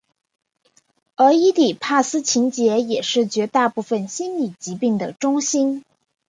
而伊底帕斯情结也是绝大部分心理疾病的中心。